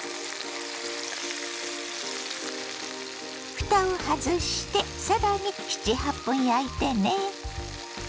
ふたを外してさらに７８分焼いてね。